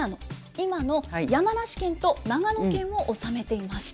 今の山梨県と長野県を治めていました。